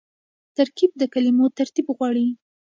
ترکیب د کلمو ترتیب غواړي.